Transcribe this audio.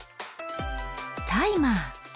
タイマー。